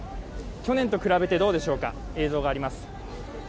去年と比べてどうでしょうか、映像があります。